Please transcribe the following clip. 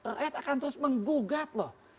rakyat akan terus menggugat loh